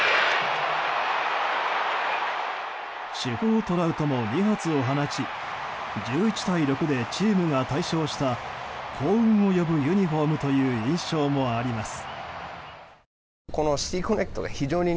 主砲トラウトも２発を放ち１１対６でチームが大勝した幸運を呼ぶユニホームという印象もあります。